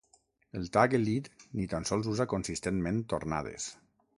El Tagelied ni tan sols usa consistentment tornades.